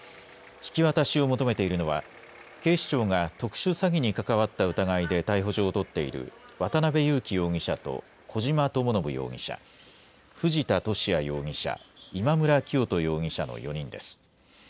引き渡しを求めているのは警視庁が特殊詐欺に関わった疑いで逮捕状を取っている渡邉優樹容疑者と小島智信容疑者、藤田聖也容疑者、今村磨人容疑者の４人です。